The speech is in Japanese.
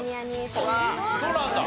そうなんだ。